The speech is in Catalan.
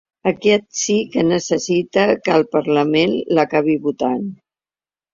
Aquest sí que necessita que el parlament l’acabi votant.